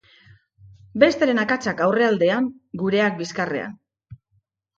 Besteren akatsak aurrealdean; gureak, bizkarrean.